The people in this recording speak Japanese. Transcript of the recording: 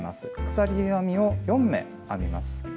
鎖編みを４目編みます。